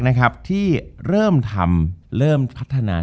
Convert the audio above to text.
จบการโรงแรมจบการโรงแรม